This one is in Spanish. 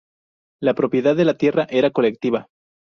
La propiedad de la tierra era colectiva.